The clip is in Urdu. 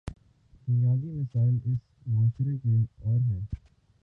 بنیادی مسائل اس معاشرے کے اور ہیں۔